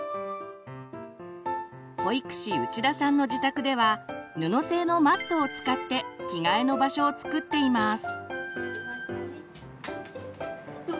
保育士内田さんの自宅では布製のマットを使って「着替えの場所」を作っています。